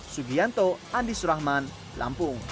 sugianto andi surahman lampung